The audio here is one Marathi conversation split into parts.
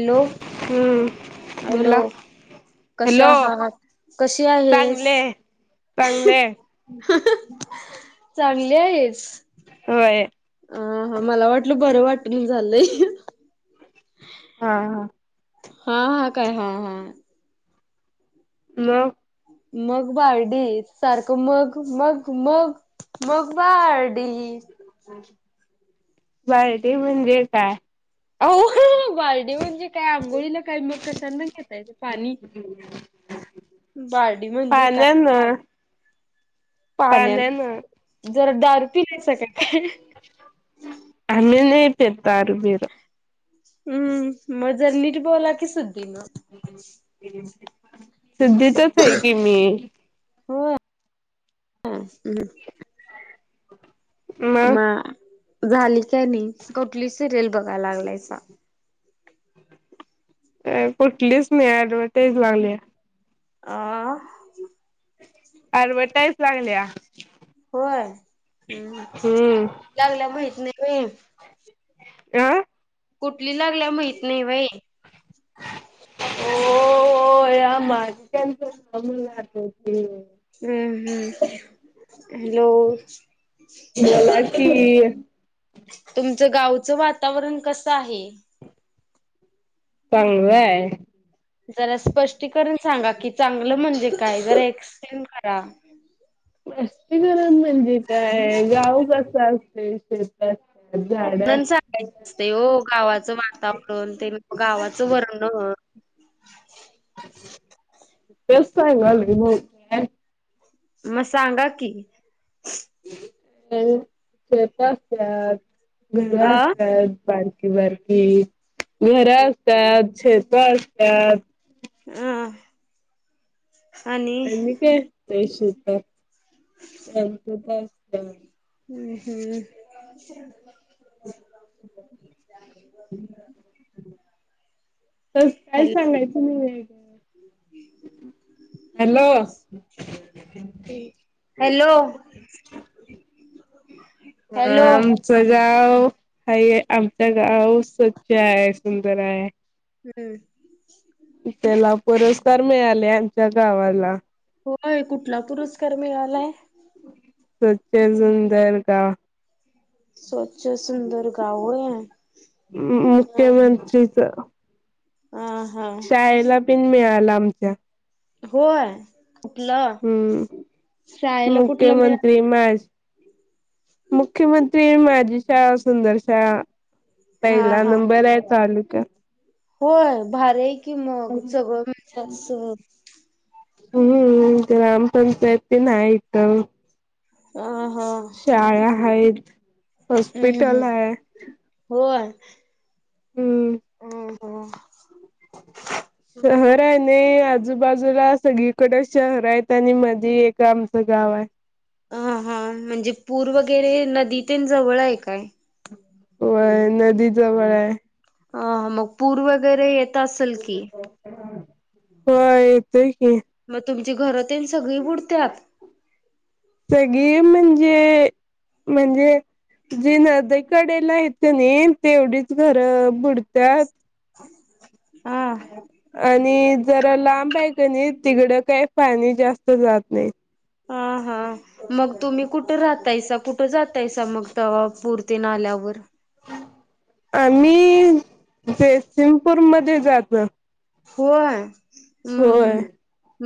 अलो हम्म हॅलो, बोला हॅलो कशा आहात? कसे आहेस? चांगले चांगले आय. चांगली आहेस? होय हां-हां मला वाटलं बरं वाटनं झालय. हा हा हां-हां काय हां-हां? ल मग बायडीस. सारखं मग-मग-मग, मग बारडीत. जाय ते म्हणजे काय? अंहं बारडी म्हणजे काय? आंघोळीला काय मग कशानं घेताय ते पाणी. बारडी म्हणजे का पाण्यानं पाण्यानं जरा दारू पिलायसा का काय? आम्ही न्हई त्यात तारु पित. हम्म, म जर नीट बोला कि सुद्धी नं. सुद्धीतच हाय की मी. [inaudible] मग मा झाली काय नई? कुठली सिरियल बघा लागलायसा? अं कुठलीच नाही, ऍडव्हर्टाईस लागल्या. आं ॲडवटाईज लागल्या. होय हम्म हम्म लागल्या माहित नाही म आ. कुठली लागल्या माहित नाही होय. [inaudible] हो [unintelligible] हम्म हम्म. हॅलो, मला कि तुमचं गाव चं वातावरण कस आहे. चांगलं आहे. जरा स्पष्टीकरण सांगा की चांगलं म्हणजे काय? जरा एक्सटलेंन करा. स्पस्टीकरण म्हणजे काय गाव कस असते शेतात म्ह सांगायच असते हो गावाचं वातावरण ते गावाचं वर्णन. तेच सांगालोय [unintelligible] म सांगा की. अ शेत असतात, घर अ असतात. बा रकी बारकी घर असतात, शेत असतात. ह. आणि काय त्या शेतात [unintelligible] हम्म हम्म. [unintelligible] तरस काय हॅलो. सांगायचं वेगळं. हॅलो हॅलो ह हॅलो आमच गा गाव हा आमच गाव स्वच्छ आहे, सुंदर आहे. हम्म. त्याला पुरस्कार मिळाले आमच्या गावाला. होय कुठला पुरस्कार मिळालाय? स्वच्छ सुंदर गाव. स्वच्छ सुंदर गाव होय हा. मुख्यमंत्रीच शाळेला पिण मिळाला आमच्या. होय. कुठलं? हम्म शाळेला कुठला मिळाला? मुख्यमंत्री माॅच मुख्यमंत्री माझी शाळा सुंदर शाळा. हा पहिला हा नंबर आहे चालू. होय भारी आहे की मग सगळं [unintelligible] हम्म ग्राम पंचायती नाय इथं. अ हा शाळा आहेत हम्म हम्म हॉस्पिटल आहे. हम्म हम्म हम्म. शहर आहे नाही आ आजूबाजूला सगळीकडे शहर आहेत आणि मध्ये एक आमचं गाव आहे. हा हा म्हणजे पूर वगैरे नदी तेन जवळ आहे काय? वय नदी जवळ आहे. अ मग पूर वगैरे येत असल की होय येतोय की म तुम्ही घरं तेन सगळी बुडत्यात. सगळी [unintelligible] म्हणजे जी नदीकडेला आहेत कणी तेवढीच घर बुडतात. हा आ आणि जरा लांब आहे कनी तिकडं काही पाणी जास्त जात नाही हा हा मग तुम्ही कुठे राहतायसा कुठे जात जात्यासा मग तवा पूर तेन आल्यावर आम्ही जयसिंगपूरमध्ये जातो होय म होय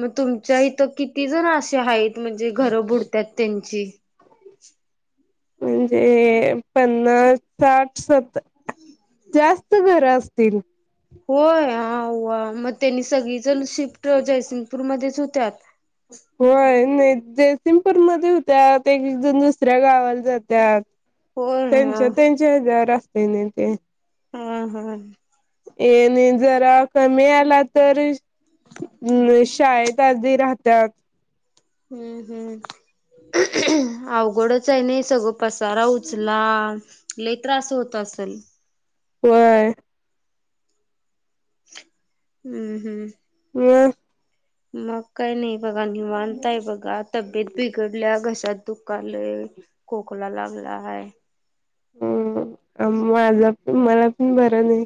मग तुमच्या इथं किती जण असे आहेत म्हणजे घर बुडतात त्यांची म्हणजे पन्नास साठ सत्तर जास्त घर असतील होय आव्वा मग त्यांनी सगळीजण शिफ्ट जयसिंगपूरमध्येच होत्यात होय जयसिंगपूरमध्ये होत्यात एक एकजन दुसऱ्या गावाला जात्यात होय हा त्यांच्या त्यांच्या घर असते ना ते हा हा ये न जरा कमी आला तर मुले शाळेत आधी राहतात हम्म हम्म अवघडच आहे नाही सगळं पसारा उचला लई त्रास होत असेल व्हय हम्म हम्म हम् मग काही नाही बघा निवांत बघा तब्येत बिघडल्या घशात दुखलाय खोकला खोकला लागलाय हम् माझ मला पण बरं नाही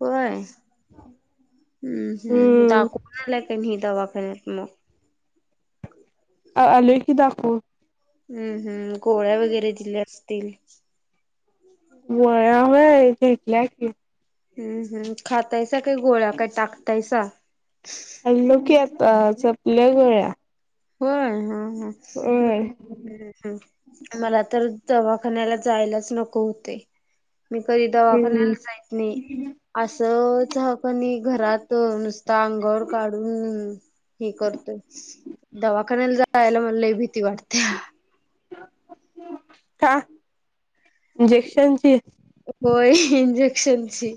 होय हम्म हम्म दाखवून आलाय का नाही दवाखान्यात मग आलोय की दाखवून हम्म हम्म गोळ्या वगैरे दिल्या असतील गोळ्या व्हय घेतल्या की हम्म हम् खातायसा काय गोळया काय टाकतायसा खाल्लो की आता सपल्या गोळ्या होय हा होय हा मला तर दवाखान्याला जायलाच नको होते मी कधी हम्म दवाखान्याला जायत नाही असंच ह कणी घरात नुसत अंगावर काढून हे करतोय दवाखान्याला जायला मला लय भीती वाटत्या का इंजेक्शनची व्हय इंजेक्शनची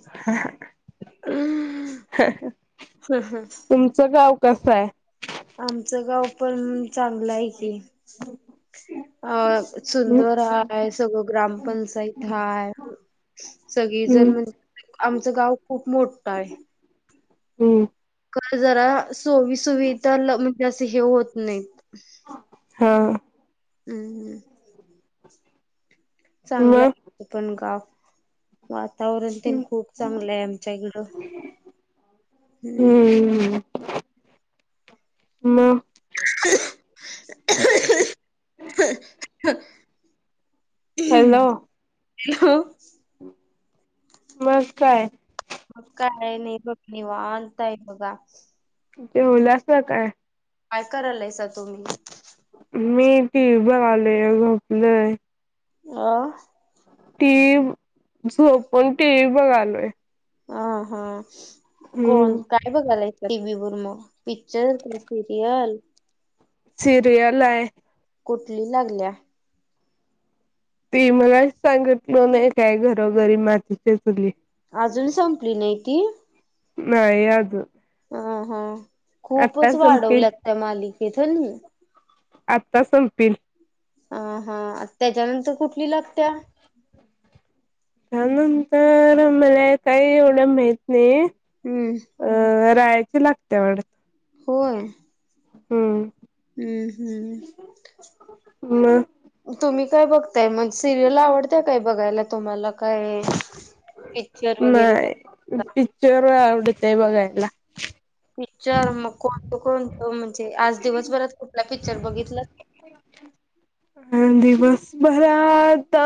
तुमचं गाव कस आहे आमचं गाव पण चांगलं आहे की अ हम्म सुंदर आहे सगळं ग्रामपंचायत हाय सगळी हम्म जण म्हणजे आमचं गाव खूप मोठं आहे हम्म जरा सोईसुविधा म्हणजे अस हे होत नाही हा हम्म हम् चांगलं मग आहे पण गाव वा वातावरण तेन खूप चांगलंय आमच्याकडं हम्म म [inaudible] हॅलो [inaudible] मग काय? मग काय नय नई बग, निवांत आय बघा. जेवलासा काय? काय करालायसा तुम्ही? टि व्ही बगालोय, झोपलोय. आं टी व्ही, झोपून टी व्ही बघालोय. अं हां कोण हम्म काय बघालाय टीव्ही वर म? पिक्चर क सिरियल. सिरीयलाय. कुठली लागल्या? ती मया सांगितलं नाही काय? 'घरोघरी मातीचा चुली'. आजून संपली नाही ती? नाही आजून. हां खूपच वाढवल्यात त्या मालिकेत हूनी. शशशं आत्ता संप्तील. अ हा त्याच्यानंतर कुठली लागत्या? त्यानंतर मला काही एवढं माहित नाही. हम्म अं रायाची लागते वाटत. होय. हम्म. हम्म. हम्म. मग तुम्ही काय बघता. काय मग सिरियल आवडत्या काय. तुम्हाला बघायला तुम्हाला काय. पिक्चर वगैरे बघ नाही पिक्चर आवडतोय बघायला. पिक्चर मग कोणत-कोणत म्हणजे आज दिवसभरात कुठला पिक्चर बघितला का. [unintelligible] अ दिवस बर आता.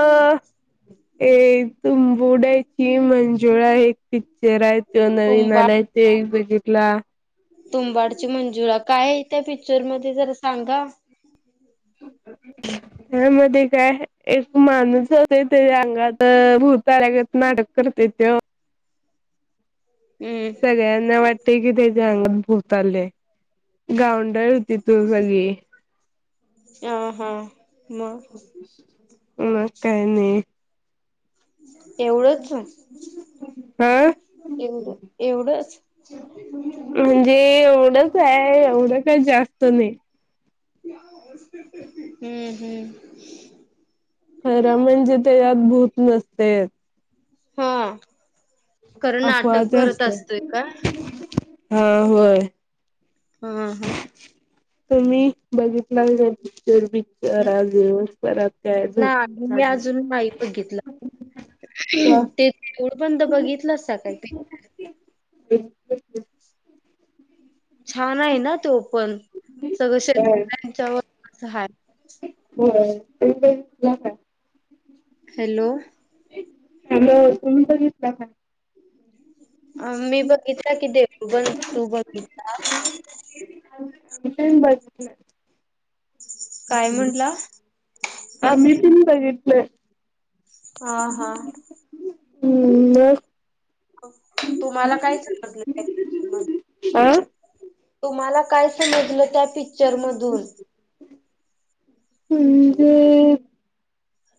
ए तुम बडे हि मंजुळा एक पिक पिक्चर हाय तो नवीन आलाय तो एक तुंबाड बघितला. तुंबाडची मंजुळा काय त्या पिक्चर मध्ये जरा सांगा? [unintelligible] त्या मध्ये काय. एक माणूस जातोय. त्याच्या अंगाात भुत आल्यागत नाटक करत तेथे. हम्म सगळ्यांना वाटते की. त्याच्या अंगात भुत. आलय गाउंडळ. तिथून झाली. ह हा मग मग काय नाही. [unintelligible] एवढ-एवढंच. काय एवढं काय जास्त नाही. हम्म. हम्म. खरं म्हणजे ते यात भूत नसतेच. हो खरं नाटक अपवाद करत असते असतोय का. हा होय. हा. ह. हा. तुम्ही बघितला [inaudible] तर पिक्चर आज दिवसभरात काय झोप नाही मी लागली अजून बघितलं नाही. ते देऊळ बंद बघितलंलासा काय ते. बि ब [unintelligible] छान आहे ना तो पण. सगळं शेतकऱ्यांच्या वरनच हाय. [unintelligible] हॅलो. [unintelligible] अ मी बघितला की देऊळ बंद. तू बघितला? मी पण बघितला. काय म्हंटला आम्ही पण बघितलं. हा, हा. हम्म मग. तुम्हाला काय आ [unintelligible] तुम्हाला काय समजलं त्या पिक्चर मधून म्हणजे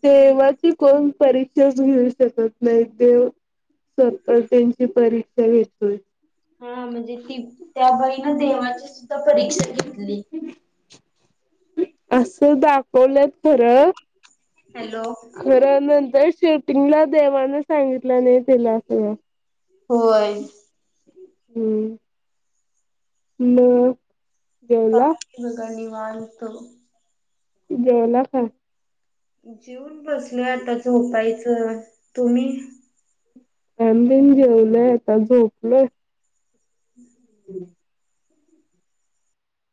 देवाची कोण परीक्षा घेऊ शकत नाही, देव स्वतः त्यांची परीक्षा घेतोय. हा, म्हणजे ती त्या बाईन देवाची सुद्धा परीक्षा घेतली. असं दाखवलंत खरं हॅलो. तर शेवटला देवाने सांगितलं नाही तिला खरं होय. हम. म काय, [unintelligible] निवांत. जेवला का? जेऊन बसलोय आता झोपायचं, तुम्ही? आम्ही पण जेवलोय आता झोपलोय ह [unintelligible]